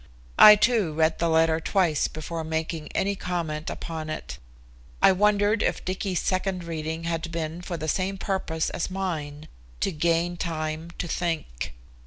I, too, read the letter twice before making any comment upon it. I wondered if Dicky's second reading had been for the same purpose as mine to gain time to think.